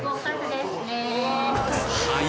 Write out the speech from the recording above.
はい？